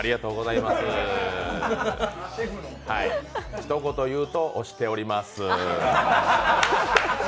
ひと言言うと、押しております。